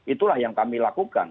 itulah yang kami lakukan